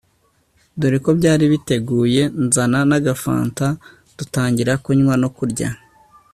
doreko byari biteguye nzana n'agafanta dutangira kunywa no kurya